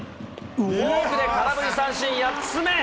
フォークで空振り三振、８つ目。